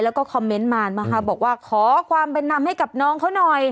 แล้วก็คอมเมนต์มานะคะบอกว่าขอความเป็นนำให้กับน้องเขาหน่อย